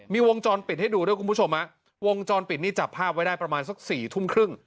มีวงจรปิดให้ดูด้วยคุณผู้ชมฮะวงจรปิดนี่จับภาพไว้ได้ประมาณสักสี่ทุ่มครึ่ง